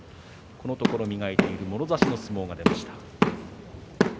このところ磨いているもろ差しの相撲が出ました。